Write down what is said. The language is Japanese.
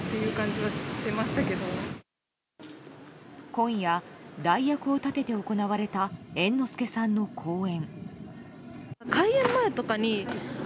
今夜、代役を立てて行われた猿之助さんの公演。